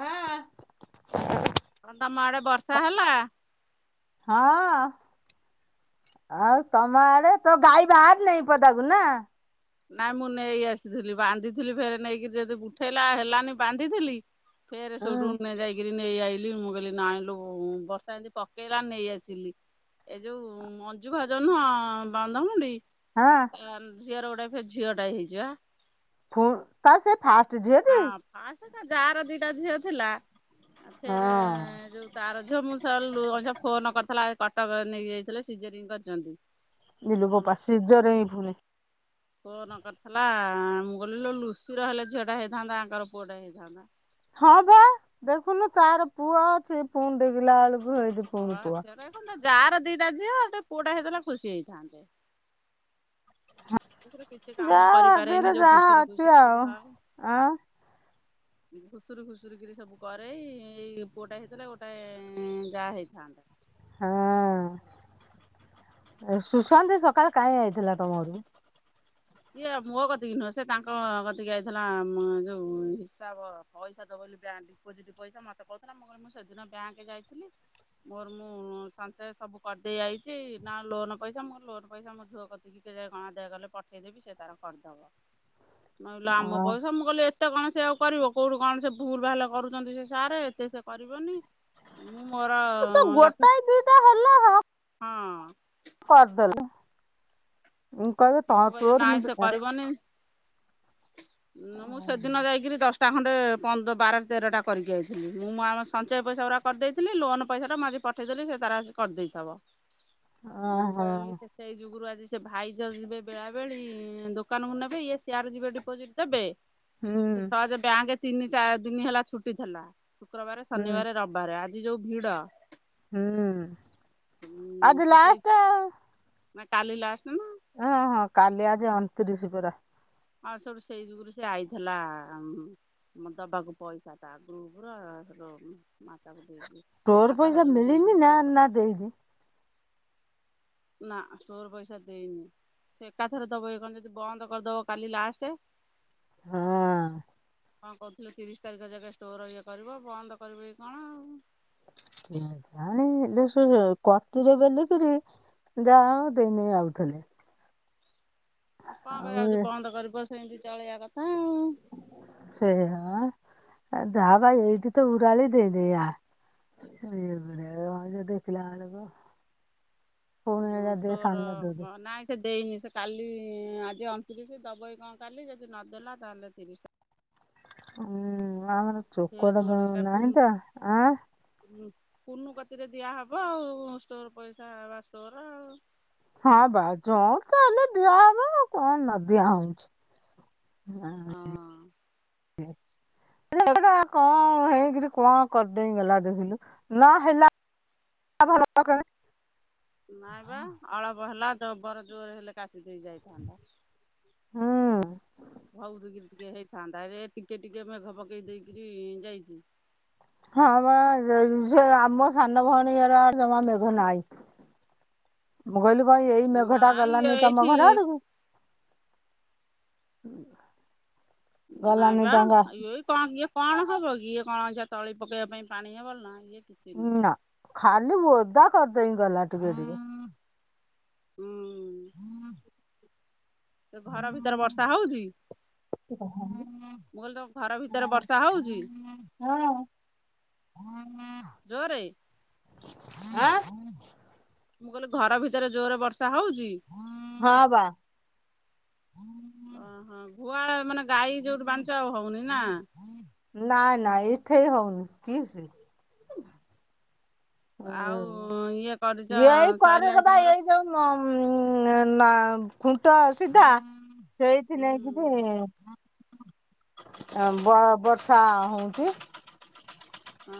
ହଁ। କଣ ତମ ଆଡେ ବର୍ଷା ହେଲା? ହଁ। ଆଉ ତମ ଆଡେ ତୋ ଗାଈ ବାହାରି ନେହି ପଦାକୁ ନା। ନାଇଁ ମୁଁ ନେଇ ଆସିଥିଲି ବାନ୍ଧିଥିଲି ଫେରେ ନେଇକିରି ଯଦି ଉଠେଇଲା ହେଲାନି ବାନ୍ଧିଥିଲି। ଫେରେ ସେଇଠୁ ହୁଁ। ଯାଇକିରି ନେଇ ଆଇଲି। ମୁଁ କହିଲି ନାହିଲୋ ବର୍ଷା ଏମତି ପକେଇଲା ନେଇ ଆସିଲି। ଏ ଯୋଉ ମଞ୍ଜୁ ଭାଉଜ ନୁହଁ ବନ୍ଧମୁଣ୍ଡି। ହଁ। ତା ଝିଅର ଗୋଟେ ଫେର ଝିଅଟେ ହେଇଚି ପା। ତାର ସେ ଫାଷ୍ଟ ଝିଅଟି ହଁ ଫାଷ୍ଟ ତା ଯାର ଦିଇଟା ଝିଅ ଥିଲା ଆଉ ଫେର ହଁ ଯୋଉ ତାର ଝିଅ ମୁଁ ସ ଅଇନା ଫୋନ କରିଥିଲା କଟକ ନେଇକି ଯାଇଥିଲେ ସିଜରିଙ୍ଗ କରିଛନ୍ତି। ଇଲୋ ଫୋନ ଵୋପା ସିଜରିଙ୍ଗ ପୁଣି। ଫୋନ କରିଥିଲା ମୁଁ କହିଲି ଲୋ ଲୁସିର ହେଲେ ଝିଅଟା ହେଇଥାନ୍ତା ଆଙ୍କର ପୁଅଟେଇ ହେଇଥାନ୍ତା। ହଁ ପା ଦେଖୁନୁ ତାର ପୁଅ ଅଛି ପୁଣି ଦେଖିଲା ବେଳକୁ ହେଇଚି ହଁ ଅଟା କୁ ଯା ର ଦିଟା ଝିଅ ପୁଅଟା ହେଇଥିଲେ ଖୁସି ହେଇଥାନ୍ତେ। ଏଥିରେ କିଛି କାମ ଯାହା କରିପାରେନି ଭାଗ୍ୟରେ ଯୋଉ ଯାହା ଘୁଷୁରି ଅଛି ଘୁଷୁରି ଆଉ ଆଁ। [inaudible] ଖୁସୁର ଖୁସୁରିକିରି ସବୁ କରେଇ ଏଇ ପୁଅଟା ହେଇଥିଲେ ଗୋଟାଏ ଯାହା ହେଇଥାନ୍ତା। ହଁ ସୁଶାନ୍ତି ସକାଳେ କାହିଁ ଆଇଥିଲା ତମ ଘରକୁ? ସିଏ ମୋଅ କତିକି ନୁହେଁ ସେ ତାଙ୍କ କତିକି ଆଇଥିଲା ମ ଯୋଉ ହିସାବ ପଇସା ଦବ ବୋଲି ବ୍ୟାଙ୍କ ଡିପୋଜିଟ ପଇସା ମତେ କହୁଥିଲା ମୁଁ କହିନି ମୁଁ ସେଦିନ ବ୍ୟାଙ୍କ ଯାଇଥିଲି। ମୋର ମୁଁ ସଞ୍ଚୟ ସବୁ କରିଦେଇ ଆଇଚି ନା ଲୋନ ପଇସା ମୋର ଲୋନ ପଇସା। ମୋ ଝୁଅ କତିକି କେ ଯାଏ କଣା ଦେ କଲେ ପଠେଇଦେବି ସେ ତାର କରିଦବ ନହେଲେ ଅ ଆମ ପଇସା ମୁଁ କଲେ ଏତେ କଣ ସେ ଆଉ କରିବ କୋଉଠୁ କଣ ସେ ଭୁଲ ଭାଲ କରୁଛନ୍ତି ସେ ସାରେ ଏତେ ସେ କରିବନି। ମୁଁ ମୋର ତ ଲକ୍ଷେ ଗୋଟାଏ ଦିଟା ହେଲା ହଁ ହଁ। କରିଦେଲା ଇଙ୍କ ମୁଁ କଇବୁ କହିଲି ତୋରି ନାଇଁ ସେ ମୁଣ୍ଡରେ କରିବନି ମୁଁ ସେଦିନ ଯାଇକିରି ଦଶ ଟା ଖଣ୍ଡେ ପନ୍ଦ ବାର ତେରଟା କରିକି ଆାଇଥିଲି ମୁଁ ଆମ ସଞ୍ଚୟ ପଇସା ଗୁରା କରିଦେଇଥିଲି ଲୋନ୍ ପଇସାଟା ମୁଁ ଆଜି ପଠେଇଦେଲି ସେ ତାର ଆଜି କରିଦେଇଥବ। ମୁଁ ଓହୋ। କହିଲି ସେ ସେଇ ଯୁଗୁରୁ ଆଜି ସେ ଭାଇ ଜ ଯିବେ ବେଳା ବେଳି ଦୋକାନ କୁ ନେବେ ଇଏ ସେଆରେ ଯିବେ ଡିପୋଜିଟ ଦେବେ। ହୁଁ ସହଜ ବ୍ୟାଙ୍କେ ତିନି ଚାରି ଦିନ ହେଲା ଛୁଟି ଥିଲା ଶୁକ୍ରବାରେ ହୁଁ ଶନିବାରେ ରବ ବାରେ ଆଜି ଯୋଉ ଭିଡ। ହୁଁ ହୁଁ ଆଜି ସେ ସେଇଟ ଲାଷ୍ଟ ନାଇଁ କାଲିି ଲାଷ୍ଟେ ନା। ଓଁ ହଁ କାଲି ଆଜି ଅଣତିରିଶ ପରା। ହଁ ସେଠୁ ସେଇ ଯୁଗରୁ ସେ ଆଇଥିଲା। ଉଁହୁଁ। ଦବାକୁ ପଇସା ଟା ଆଗରୁ ଗ୍ରୁପର ମାତାକୁ ଦେଇ ତୋର ପଇସା ମିଳିନି ନା ନା ଦେଇନି। ନା ଷ୍ଟୋର ପଇସା ଦେଇନି। ସେ ଏକାଥରେ ଦବ କି କଣ ଯଦି ବନ୍ଦ କରିଦବ କାଲି ଲାଷ୍ଟେ। ହଁ। କଣ କହୁଥିଲେ ତିରିଶ ତାରିଖ ଯାକା ଷ୍ଟୋର ଇଏ କରିବ ବନ୍ଦ କରିବ କି କଣ ଆଉ। କେଜାଣି ହେଲେ ସେ କତିରେ ବେଲି କିରି ଯା ହଉ ଦେଇ ନେଇ ଆଉଥିଲେ। ଆଉ କଣ କରିବା ଆଉ ବନ୍ଦ କରିବ ସେମିତି ଚଳେଇବା କଥା ଆଉ। ସେୟା ପା ଯାହା ଭାଇ ଏଇଠି ତ ଉରାାଳି ଦେଇଦେଇ ଆ। ସେ [unintelligible] ଦେଖିଲା ବେଳକୁ ପୁଣି ଗଁ ଏଇଟା ଦେ ଷ୍ଟୋର ସାମ୍ନା ଦଉଡି କଂ ନାଇଁ ସେ ଦେଇନି ସେ କାଲି ଆଜି ଅଣତିରିଶ ଦବ କି କଣ କାଲି ଯଦି ନଦେଲା ତାହେଲେ ତିରିଶି ତା ହୁଁ ଆମର ଫେରେ ଚୋକଡ଼ ତ ଦୌଡ଼ିଟା ନାହିଁ କୁନୁ ତ ଆଁ। କୁନୁ କତିରେ ଦିଆହବ ଆଉ ଷ୍ଟୋର ପଇସା ବା ଷ୍ଟୋର ଆଉ। ହଁ ବା ଯଉଠି ତ ହଲେ ଦିଆହବ ଆଉ କଣ ନଦିଆ ହଉଛି ହଁ। ହଁ। ହୁଁ ସେ ଲୋକଟା କଣ ହେଇକରି କଣ କରିଦେଇ ଗଲା ଦେଖିଲୁ ନ ହେଲା [unintelligible] ଘର ପାଖରେ। ନା ବା ଅଳପ ହେଲା ଜବର ଜୋରେ ହେଲେ କାଚି ଦେଇ ଯାଇଥାନ୍ତା। ହଁ। ଭଉତି କିରି ଟିକେ ହେଇଥାନ୍ତା ରେ ଟିକେ ଟିକେ ମେଘ ପକେଇ ଦେଇକିରି ଯାଇଚି। ହଁମ ସେଇ ସେ ଆମ ସାନ ଭଉଣୀର ଆଡ଼େ ଜମା ମେଘ ନାହିଁ। ମୁଁ କହିଲି କ ଏଇ ମେଘଟା ନାଇଁ ଗଲାନି ତମ ଏଇଠି ଘରାଡକୁ। ନାଇଁ ଗଲାନି ପା ବା ତଙ୍ଗା ଇଏ କଣ ଇଏ କଣ ହବ କି ଇଏ କଣ ତଳି ପକେଇବା ପାଇଁ ପାଣି ହବ ନା ଇଏ କିଛି ଉଁ ନୁହଁ। ନା ଖାଲି ଓଦା କରିଦେଇ ଗଲା ଟିକେ ଟିକେ। ହୁଁ। ସେ ଘର ଭିତରେ ବର୍ଷା ହଉଚି। [inaudible] ମୁଁ କହିଲି ତମ ଘର ଭିତରେ ବର୍ଷା ହଉଛି? ହଁ ଆଁ ଜୋରେ? ଆଁ? ମୁଁ କହିଲି ଘର ଭିତରେ ଜୋରେ ବର୍ଷା ହଉଛି? ହଁ ବା। ଓହୋ ଗୁହାଳେ ମାନେ ଗାଈ ଯୋଉଠି ବନ୍ଧିଛ ଆଉ ହଉନି ନା। ନାଇ ନାଇ ଇଠେଇ ହଉନି। କିଏ ସେ? ଆଉ ଇଏ କରିଛ ହୁଁ ଏଇ ସଇଲାଣି କରରେ ବା ତମର ଏଇ ଯୋଉ ଉଁ ନା ଖୁଣ୍ଟ ସିଧା ହୁଁ ସେଇଥିନାଗି ଯେ ବ-ବର୍ଷା ହଉଛି। ହଁ।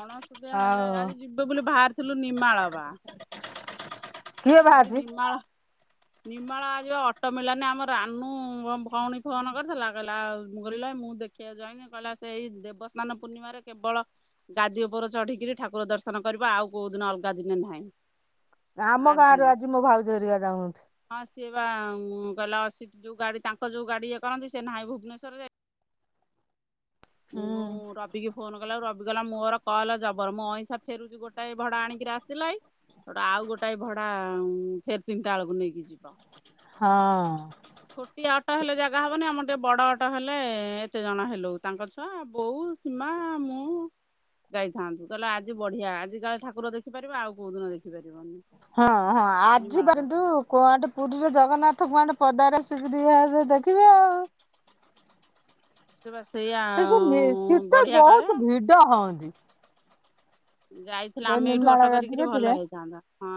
ଅଣସୁଧିଆ ହେଲେ ଆଉ ଆଜି ଯିବ ବୋଲି ବାହାରିଥିଲୁ ନିମାଳ ବା। କିଏ ଆଜି ବାହାରିଛି? ନିମାଳ ନିର୍ମଳା ଆଜି ବା ଅଟୋ ମିଳିଲାନି ଆମ ରାନୁ ଭ ଭଉଣୀ ଫୋନ କରିଥିଲା କହିଲା ଆଉ ମୁଁ କହିଲି ଇଲୋ ଏଇ ମୁଁ ଦେଖ ବାକୁ ଯାଇନି କହିଲା ସେଇ ଦେବସ୍ନାନ ପୂର୍ଣ୍ଣିମାରେ କେବଳ ଗାଦି ଉପରେ ଚଢିକିରି ଠାକୁର ଦର୍ଶନ କରିବ ଆଉ କୋଉ ଦିନ ଅଲଗା ଦିନେ ନାହିଁ। ଆମ ଗାଁ ରୁ ଆଜି ମୋ ଭାଉଜ ହେରିକା ଯାଉଛନ୍ତି। ହଁ ସିଏ ବା କହିଲା ସେଟି ଯୋଉ ଗାଡି ତାଙ୍କ ଯୋଉ ଗାଡି ଇଏ କରନ୍ତି ସେ ନାହିଁ ଭୁବନେଶ୍ୱରରେ ହଁ। ମୁଁ ର ଟିକେ ଫୋନ କଲା ବେଳକୁ ରବି କହିଲା ମୋର କଲ ଜବର ମୁଁ ଅଇଁଛା ଫେରୁଛି ଗୋଟା ଭଡା ଆଣିକି ଆସିଲାଇ ସେଉଠୁ ଆଉ ଗୋଟାଏ ଭଡା ଫେରେ ତିନିଟା ବେଳକୁ ନେଇକି ଯିବ। ହଁ। ଛୋଟିଆ ଅଟୋ ହେଲେ ଜାଗା ହବନି ଆମର ଟିକେ ବଡ ଅଟୋ ହେଲେ ଏତେ ଜଣ ହେଲୁଉ ତାଙ୍କ ଛୁଆ ବୋଉ ସିମା ମୁଁ ଯାଇଥାନ୍ତୁ ତାହେଲେ ଆଜି ବଢିଆ ଆଜି କାଳେ ଠାକୁର ଦେଖି ପାରିବ ଆଉ କୋଉ ଦିନ ଦେଖିପାରିବନି। ହଁ ହଁ ଆଜି ନିମାଳ ପାରନ୍ତୁ କାଟିକି କୁଆଟେ ପୁରୀରେ ଜଗନ୍ନାଥ କୁଆଡେ ପଦାରେ ଆସିକିରି ହେବେ ଦେଖିବେ ଆଉ। ସିଏବା ସେଇଆ ବଢିଆ କାଳେ। ଡ ହଅନ୍ତି। ଯାଇଥିଲେ ଯୋଉ ଆମେ ଏଇଠୁ ନିର୍ମଳା ଅଟୋ କରିକିରି ଭଲ ହେଇଥାନ୍ତା ହଁ।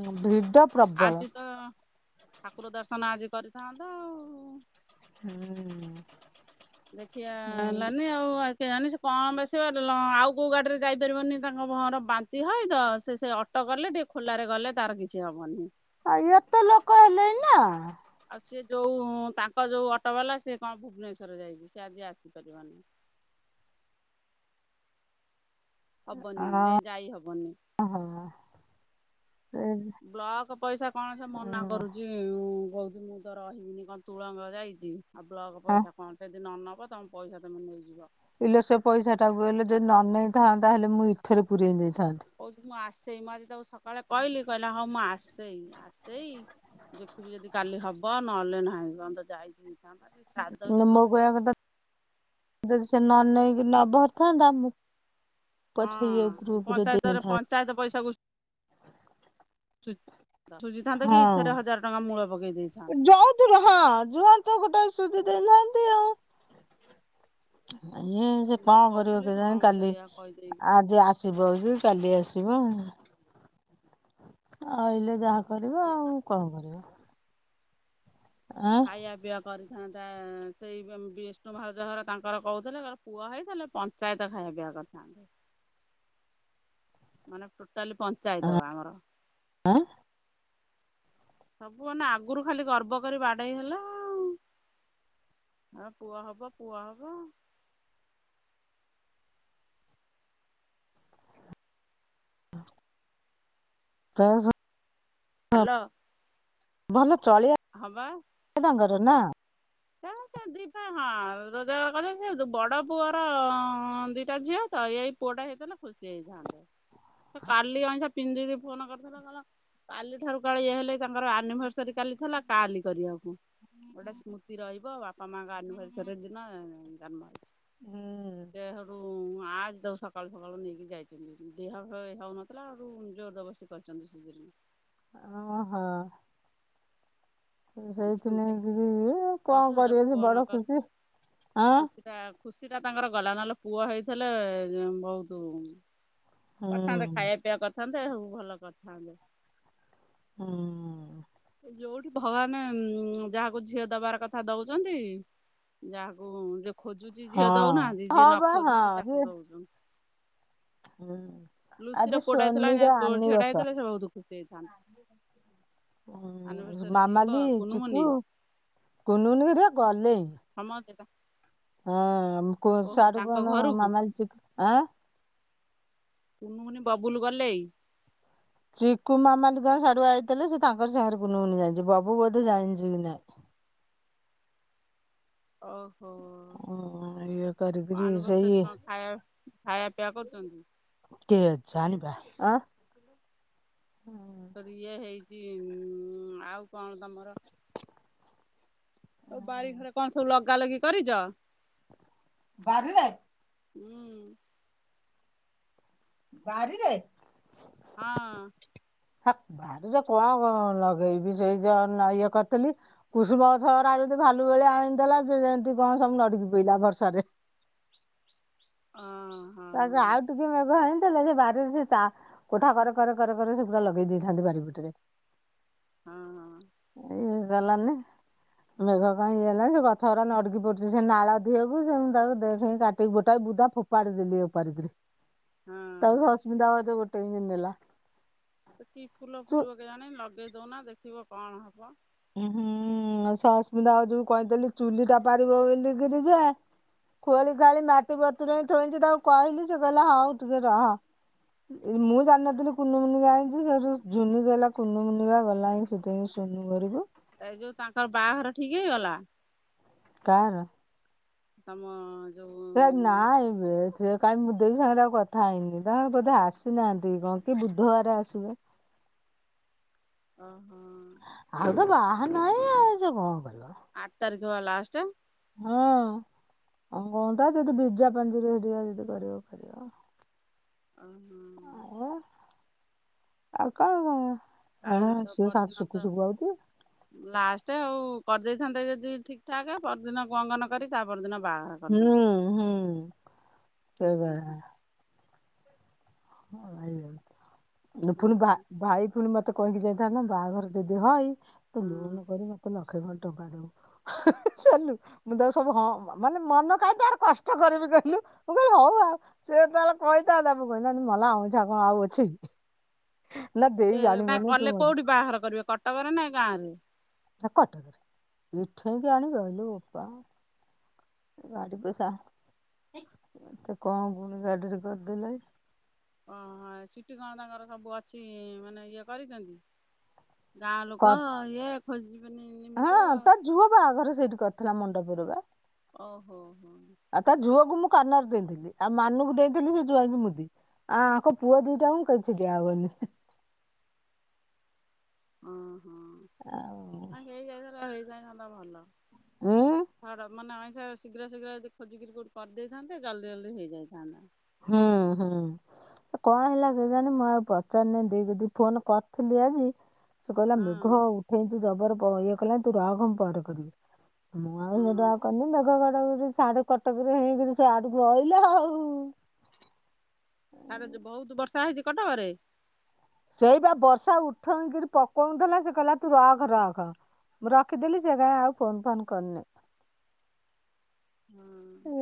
ଉ ଭିଡ ପ୍ରବଳ। ଆଜି ତ ଠାକୁର ଦର୍ଶନ ଆଜି କରିଥାନ୍ତ ଆଉ। ହୁଁ। ଦେଖିଆ ହେଲାନି ଆଉ ଆ କେ ଜାଣି ସେ କଣ ବେସିବ ଲ ଆଉ କେଉ ଗାଡ଼ିରେ ଯାଇପାରିବନି ତାଙ୍କ ଭଅଁର ବାନ୍ତି ହଅଇ ତ ସେ ସେ ଅ ଟ କଲେ ଟିକେ ଖୋଲାରେ ଗଲେ ତାର କିଛି ହବନି। ଆଉ ଏତେ ଲୋକ ହେଲେଇଁ ନା ଆଉ ସେ ଯୋଉ ତାଙ୍କ ଯୋଉ ଅଟୋ ବାଲା ସେ କଣ ଭୁବନେଶ୍ଵର ଯାଇଛି ସେ ଆଜି ଆସିପାରିବନି। ହବନି ଯେ ଯାଇ ହବନି। ହଁ। ବ୍ଲକ ପଇସା କଣ ସେ ମନା କରୁଛି। ଉଁ କହୁଛି ମୁଁ ତ ରହିବିନି କଣ ତୁଳଙ୍ଗ ଯାଇଛି ଆଉ ବ୍ଲକ ହଁ। ପଇସା କଣ ଯେଦି ନ ନବ ତମ ପଇସା ତମେ ନେଇଯିବ। ଇଲେଓ ସେ ପଇସା ଟାକୁ ହେଲେ ଯଦି ନ ନେଇେଥାନ୍ତା ହେଲେ ମୁଁ ଇଥେରେ ପୁରେଇ ଦେଇଥାନ୍ତି। କହୁଚି ମୁଁ ଆସେଇ ମୁଁ ଆଜି ତାକୁ ସକାଳେ କହିଲି କହିଲା ହଁ ମୁଁ ଆସେଇ ଆସେଇ ଦେଖିବି ଯଦି କାଲି ହବ ନହେଲେ ନାହିଁ କଣ ତ ଯାଇଛି [unintelligible] କି ନା କଣ ମୋ କହିବା ଯାଇଛି। କଥା ଯଦି ସେ ନ ନେଇକି ନବାର ଥାନ୍ତା ମୁଁ ପଛେ ଇଏ ହଁ ଗ୍ରୁପରେ ପଞ୍ଚାୟତରେ ଦେଇନଥାନ୍ତି ପଞ୍ଚାୟତ ପଇସାକୁ ସୁଝିଥାନ୍ତ କି ଇଥେରେ ହଜାର ଟଙ୍କା ମୂଳ ପକେଇ ଦେଇଥାନ୍ତ। ତୁରହଁ ଜୁଆଡେ ତ ଗୋଟେ ସୁଝି ଦେଇଥାଆନ୍ତି ଆଉ। ଆଏ ସେ ତ କଣ କରିବ କହୁଥିଲି ସେ କଣ କେଜାଣି ମତେ କାଲି ଏଇଆ କହିଦେଇକି ଆଜି ଆସ ଯିବ କି କାଲି ଆସିବ। ଆଇଲେ ଯାହା କରିବ ଆଉ କଣ କରିବ? ଆଁ ଖାଇବା ପିିବା କରିଥାନ୍ତା ସେଇ ବିଷ୍ଣୁ ଭାଉଜ ଘର ତାଙ୍କର କହୁଥିଲେର ପୁଅ ହେଇ ଥିଲେ ପଞ୍ଚାୟତ ଖାଇବା ପିଇବା କରି ା ମାନେ ଟୋଟାଲି ପଞ୍ଚାୟତ ବା ଆମର ଆଁ ସବୁମାନେ ଆଗରୁ ଖାଲି ଗର୍ବ କରି ବାଡେଇଇ ହେଲା ଆଉ ହଁ ପୁଅ ହବ ପୁଅ ହବ ହାଲୋ ଭଲ ଚଳିଆ ହଁବା। କେ ତାଙ୍କର ନା? ଦିପା ହଁ ରୋଜଗାର କରିଛ ସେ ବଡ଼ ପୁଅର ଦିଟା ଝିଅ ତ ଏଇ ପୁଅଟା ହେଇଥିଲା ଖୁସି ହେଇଥାନ୍ତେ, ସେ କାଲି ଅଇଷା ପିନ୍ଧିକି ଫୋନ କରିଥିଲା କ କାଲି ଠାରୁ କାଳେ ଇଏ ହେଲେ ତାଙ୍କର ଆନିଭର୍ସରୀ କାଲି ଥିଲା କାଲି କରିବାକୁ। ଗୋଟେ ସ୍ମ ରହିବ ବାପା ମାଙ୍କ ଆନିଭର୍ସେରି ଦିନ ଜନ୍ମ ହେଇଛି। ହୁଁ ସେ ହେଇଠୁ ମୁଁ ଆଜି ଦଉ ସକାଳୁ ସକାଳୁ ନେଇକି ଯାଇଛନ୍ତି ଦେହ ହଉନଥିଲା ଆରୁ ଜୋରଦବରସ୍ କରିଛନ୍ତି ଶୀଘ୍ର ଓହୋ। ସେଇଥି ନେଇକରି ମଝି କଣ ରଜ କରିବ ସେ ବଡ ଖୁସି ହଁ। ଖୁସି ଟା ତାଙ୍କର ଗଲା ନହେଲେ ପୁଅ ହେଇଥିଲେ ବୋହୁତ୍ କରିଥାନ୍ତେ, ହୁଁ। ଖାଇବା ପିଇବା କରିଥାନ୍ତେ, ଭଲ କରିଥାନ୍ତେ। ହୁଁ। ଯୋଉଠି ଭଗବାନ ଯାହାକୁ ଝିଅ ଦବାର କଥା ଦଉଛନ୍ତି। ଯାହାକୁ ଯିଏ ଖୋଜୁଛି ଝିଅ ହଁ ଦଉନାହାନ୍ତି ଯିଏ ହଁ ନ ବା ହଁ ଖୋଜୁଛି ଯେ ତାକୁ ଦଉଛନ୍ତି। ହୁଁ। ଆଜି ଲୁସିର ପିଅ ଟା ହେଇଥିଲା, ଝିଅ ସୋନିର ଟା ଆନିବର୍ଷ ହେଇଥିଲା ସେ ବହୁତ ଖୁସି ହେଇଥାନ୍ତି। ହଁ ଯିବ ମାମାଲି, କୁନୁମୁନି ଚିକୁୁ କୁନୁନୁ ହେରିକା ଗଲେ ହମ ସେଟା ହଁ, କଉ ସିଆଡୁ କଣ ଘରକୁ ମାମଲି, ଚିକୁ କୁନୁମୁନି ବବୁଲ ଗଲେ ଚିକୁ ମାମାଲି ସାଢୁ ଆଇଥିଲେ ସେ ତାଙ୍କର ସାଙ୍ଗରେ କୁନୁଉନି ଯା ବବୁ ବୋଧେ ଜାଣିଛି କି ନାଇଁ। ଓହୋ। ଉଁ ଇଏ କରିକିରି ସେଇ ଆନିବର୍ଷରିରେ କଣ ଖାଇବା ଖାଇବା ପିଇବା କରୁଛନ୍ତି? ଟିକେ ଜାଣିବା। ଆ ତ ଇଏ ହେଇଛି ଆଉ କଣ ତମର ସବୁ ବାରି ଘରେ କଣ ସବୁ ଲଗା ଲଗି କରିଛ? ବାରିରେ? ହୁଁ। ବାରିରେ? ହଁ। ହେ ବାରିରେ କଣ କଣ ଲଗେଇବି, ସେଇ ଯାହା ଇଏ କରିଥିଲି କୁଷୁମ ଗଛ ଗୁରା ଭାଲୁ ଭଳିଆ ଆଣିଥିଲା ସେ ଯେମିତି କଣ ସବୁ ନଡିକି ପଇଲା ବର୍ଷାରେ। ଅଁ। ତାକୁ ଆଉ ଟିକେ ମେଘ ହେଇଥିଲେ ସେ ବାରିରେ ସେ ଚା କୋଠା କରେ କରେ କରେ କରେ ସେ ପୁୁରା ଲଗେଇ ଦେଇଥାନ୍ତି ବାରି ପଟରେ। ହଁ ହଁ। ଏଇ ଗଲାନି। ମେଘ କା ହେ ସେ ଗଛ ଗୁଡା ନଡକି ପଡୁଛି ସେ ନାଳ ଧିଅକୁ ସେ ତା ଦେ କାଟି ଗୋଟା ବୁଦା ଫ ପାରଦିଲି ଏ ପାରଦିଲି ତାକୁ ହଁ। ସସ୍ମିତା ଭାଉଜ ଗୋଟେଇକି ନେଲା। ସେ କି ଫୁଲ ଚୁ ଫୁଟିବ କେଜାଣି ଲଗେଇ ଦଉନା ଦେଖିବ କଣ ହବ। ହୁଁ ସସ୍ମିତା ଭାଉଜକୁ କହିଥିଲି ଚୁଲି ଟା ପାରିବ ବୋଲିକି ଯେ ଖୋଳି ଖାଳି ମାଟି ବତୁରଇ ଥୋଇଛି ତାକୁ କହିଲି ସେ କହିଲା ହଉ ଟିକେ ରହ। ମୁଁ ଜାଣିନଥିଲି କୁନିମୁନି ଯାଣିଚି ସେଠୁ ଝୁନି ଗଲା କୁନିମୁନି ବା ଗଲା ହିଁ ସେଠୁ କୁନି ଘରକୁ। ଏଇ ଯୋଉ ତାଙ୍କର ବାହାଘର ଠିକ ହେଇଗଲା। କାର। ତମ ଯୋଉ ହେ ନାଇଁ। ଏ ସିଏ କାହିଁ ମୁଁ ଦେଇ ସାଙ୍ଗରେ ଆଉ କଥା ହେଇନି ତାଙ୍କ ବୋଧେ ଆସିନାହାନ୍ତି କଣ କି ବୁଧବାର ଆସିବେ। ଓ ହୋ। ଆଉ ତ ବାହାନାଇ ଆଉ ସେ କଣ କରିବ। ଆଠ ତାରିଖ ବା ଲାଷ୍ଟ। ହଁ। ହଁ କଣ ତା ଯଦି ବିଜା ପାଞ୍ଜିରେ କରିବେ ଯଦି କରିବ। ଅ ହଁ। ଆଉ ଆଉ କଣ କାଲି ତ ପାଇଁ ପରଦିନ ତ [unintelligible] ଲାଷ୍ଟ ଆଉ କରିଦେଇଥାନ୍ତେ ଯଦି ଠିକ ଠାକ ପରଦିନ ମଙ୍ଗନ କରି ତା ପରଦିନ ବାହାଘର। ହୁଁ କରିଦେଇଥାନ୍ତେ। ହୁଁ ଠିକ୍ ହେଇଥାନ୍ତା ସେଇକଥା। ମୁଁ ପୁଣି ଭା ଭାଇ ପୁଣି ମତ୍ ମୋତେ କହିକି ଯାଇଥାନ୍ତା ବାହାଘର ଯଦି ହଏ ତୁ ଲୁନୁ ହଁ କରି ମୋତେ ଲକ୍ଷେ ଖଣ୍ଡେ ଟଙ୍କା ଦେବୁ। ଚାଲୁ। ମୁଁ ତାକୁ ସବୁ ହଁ ମ ମାନେ ମନ କାହିକି ତାର କଷ୍ଟ କରିବି କହିଲୁ ମୁଁ କହିଲି ହଉ ଆଉ। ସେ ତାର କହିଥାନ୍ତା ମୁଁ କହିଲି ମଲା ଅଇଁଠା କଣ ଆଉ ଅଛି। ନା ଦେଇ ଜାଣିବନି ତୁ କଲେ ମରି କୋଉଠି ବାହାଘର କରିବେ କଟକରେ ନା ଗାଁ ରେ। ହଁ କଟକରେ ଇଠେ କେଆଣି ଆଇଲୋ ବୋପା। ଗାଡ଼ି ପଇସା ଏତେକଣ ଗୁଣିଗାରିଡି କରିଦେଲେ। ଓହୋ ଚିଟି କଣ ତାଙ୍କର ସବୁ ଅଛି ମାନେ ଇଏ କରିଚନ୍ତି। ଗାଁ ଲୋକ କର ଇଏ ଖୋଜିବେନି ଏମିତି ତ ପୁଅ ବାହାଘରେ ସେଇଠି କରିଥିଲା ମଣ୍ଡପରେ ବା। ଓହୋ ହୋ। ଆଉ ତା ଝୁଅକୁ ମୁଁ କାନର ଦେଇଥିଲି ଆଉ ମାନୁକୁ ଦେଇଥିଲି ସେ ଜୁଆଁଇ କୁ ମୁଦି। ଆ ଆଙ୍କ ପୁଅ ଦିଇଟାକୁ କିଛି ଦିଆ ହବନି। ହଁ ଆଉ ହଁ ହେଇଯାଇଥାନ୍ତା ହେଇଯାଇଥାନ୍ତା ଭଲ। ଉଁ ହାର ମା ନାଇ ଛେ ଶୀଘ୍ର ଶୀଘ୍ର ଯଦି ଖୋଜିକିରି କୋଉଠି କରିଦେଇଥାନ୍ତେ ଜଲଦି ଜଲଦି ହେଇଯାଇଥାନ୍ତା। ହଁ ହଁ। ଆ କଣ ହେଲା କେଜାଣି ମୁଁ ଆଉ ପଚାରିନି ଦେଇ କତିକି ଫୋନ କରିଥିଲି ଆଜି। ସେ କହିଲା ହଁ ମେଘ ଉଠେଇଚି ଜବର୍ ବ ଇଏ କହିଲା ତୁ ରଖ ମୁ ପରେ କରିବି। ମୁଁ ଆଉ ହଁ ସେଠୁ ଆଉ କରିନି ମେଘ ଘଡ଼ଘଡ଼ି ରେ ସିଆଡୁ କଟକରୁ ହଇକି ସିଆଡୁ କୁ ଅଇଲା ଆଉ। ହାଡ଼େ ଯେ ବହୁତୁ ବର୍ଷା ହେଇଛି କଟକରେ। ସେଇବା ବର୍ଷା ଉଠେଇକିରି ପକଉଁ ଥିଲା ସିଏ କହିଲା ତୁ ରଖ ରଖ। ମୁଁ ରଖିଦେଲି ସେ କାଇଁ ଆଉ ଫୋନ୍ ଫାନ୍ କରିନେଇ। ହୁଁ।